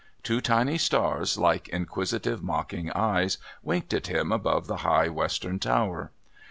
Two tiny stars, like inquisitive mocking eyes, winked at him above the high Western tower.